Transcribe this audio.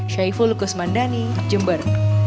shaiful kusmandani jember